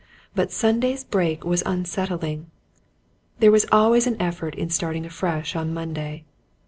But Sunday's break was unsettling: there was always an effort in starting afresh on Monday.